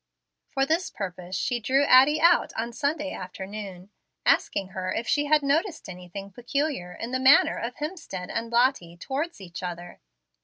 For this purpose she drew Addie out on Sunday afternoon, asking her if she had noticed anything peculiar in the manner of Hemstead and Lottie towards each other.